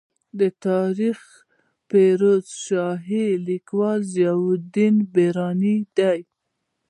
د تاریخ فیروز شاهي لیکوال ضیا الدین برني دی.